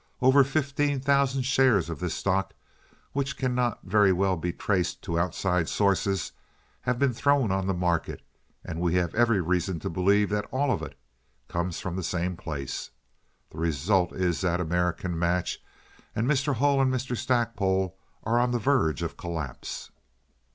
Over fifteen thousand shares of this stock, which cannot very well be traced to outside sources, have been thrown on the market, and we have every reason to believe that all of it comes from the same place. The result is that American Match, and Mr. Hull and Mr. Stackpole, are on the verge of collapse."